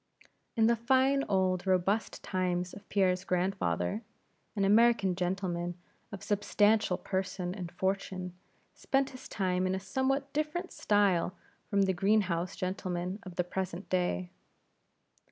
In the fine old robust times of Pierre's grandfather, an American gentleman of substantial person and fortune spent his time in a somewhat different style from the green house gentlemen of the present day.